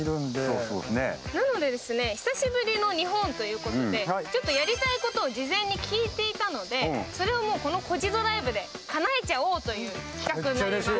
久しぶりの日本ということで、やりたいことを事前に聞いていたので、それをもうこの「コジドライブ」でかなえちゃおうという企画になります。